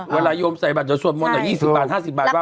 เวลายมใส่บาทจะส่วนหมดถึง๒๐๕๐บาทบ้างไป